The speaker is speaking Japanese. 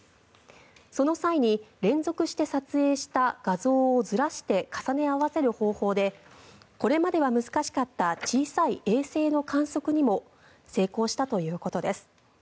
その際に連続して撮影した画像をずらして重ね合わせる方法でこれまでは難しかった小さい衛星の観測にも成功したということです。